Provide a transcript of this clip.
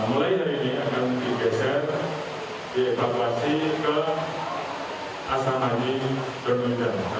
mulai hari ini akan digeser dievakuasi ke asrama haji donohu dan boyolali